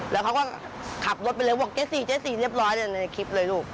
แล้วเขาก็ขับรถไปเลยบอกเจ๊สี่เจ๊สี่เรียบร้อยเลยในคลิปเลยลูก